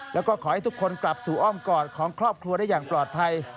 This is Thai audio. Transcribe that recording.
แล้วก็ขอให้ทุกคนกลับสู่อ้อมกอดของครอบครัวได้อย่างปลอดภัย